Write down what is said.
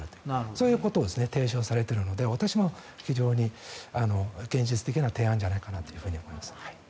そういうことを提唱されているので私も非常に現実的な提案だと思います。